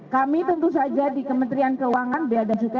kami tentu saja di kementerian keuangan biara dan jutaan